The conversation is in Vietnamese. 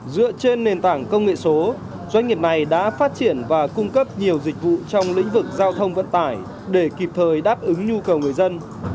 dựa trên nền tảng công nghệ số doanh nghiệp này đã phát triển và cung cấp nhiều dịch vụ trong lĩnh vực giao thông vận tải để kịp thời đáp ứng nhu cầu người dân